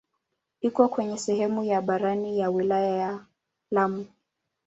Iko kwenye sehemu ya barani ya wilaya ya Lamu.